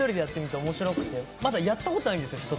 まだ他の人とやったことないんですよ。